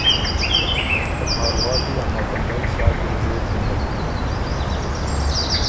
ته مارواتی ا مکنډئ سا ګِرژېک غندک بیوک،